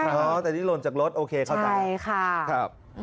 อ๋อแต่นี่หล่นจากรถโอเคเข้าใจใช่ค่ะครับ